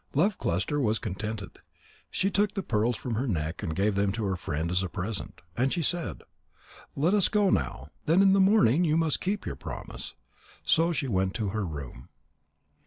Love cluster was contented. She took the pearls from her neck and gave them to her friend as a present. And she said: "Let us go now. Then in the morning you must keep your promise." So she went to her room.